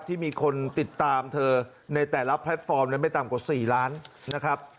ที่มีคนติดตามเธอในแต่ละแพลตฟอร์มนั้นไม่ต่ำกว่า๔ล้านนะครับ